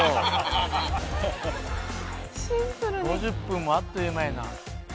５０分もあっという間やな。